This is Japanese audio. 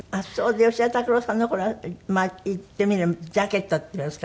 で吉田拓郎さんのこれはまあ言ってみればジャケットっていうんですか？